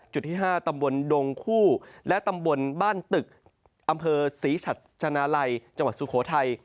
ที่๕ตำบลดงคู่และตำบลบ้านตึกอำเภอศรีชัชนาลัยจังหวัดสุโขทัย